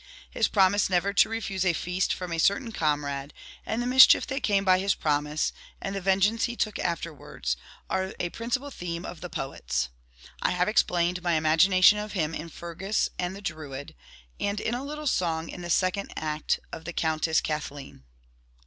His promise never to refuse a feast from a certain comrade, and the mischief that came by his promise, and the vengeance 1 06 he took afterwards, are a principal theme of the poets, I have explained my imagination of him in ' Fergus and the Druid,' and in a little song in the second act of ' The Countess Kathleen.